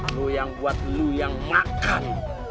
lu yang buat lu yang makan